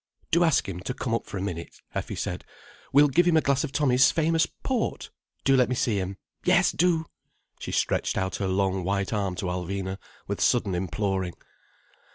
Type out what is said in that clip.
"Do ask him to come up for a minute," Effie said. "We'll give him a glass of Tommy's famous port. Do let me see him. Yes do!" She stretched out her long white arm to Alvina, with sudden imploring.